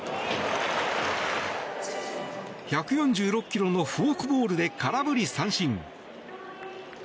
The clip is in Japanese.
１４６キロのフォークボールで空振り三振。